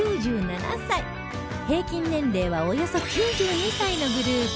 平均年齢はおよそ９２歳のグループ